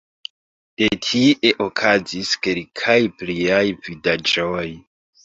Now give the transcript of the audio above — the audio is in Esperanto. De tie okazis kelkaj pliaj vidaĵoj.